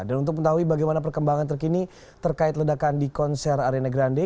dan untuk mengetahui bagaimana perkembangan terkini terkait ledakan di konser ariana grande